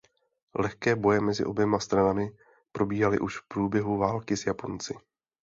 Lehké boje mezi oběma stranami probíhaly už v průběhu války s Japonci.